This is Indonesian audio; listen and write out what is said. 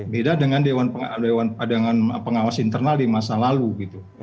beda dengan pengawas internal di masa lalu gitu